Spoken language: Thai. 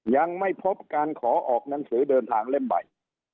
ยังไม่พบการขอออกหนังสือเดินทางเล่มใหม่